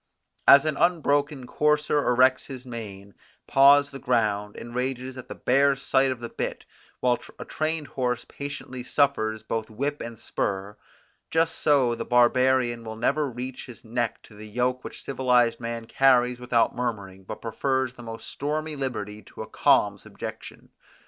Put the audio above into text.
As an unbroken courser erects his mane, paws the ground, and rages at the bare sight of the bit, while a trained horse patiently suffers both whip and spur, just so the barbarian will never reach his neck to the yoke which civilized man carries without murmuring but prefers the most stormy liberty to a calm subjection.